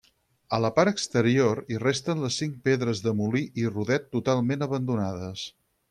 A la part exterior hi resten les cinc pedres de molí i rodet totalment abandonades.